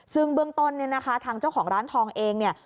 ซึ่งเบื้องต้นเนี่ยนะคะทางเจ้าของร้านทองเองเนี่ย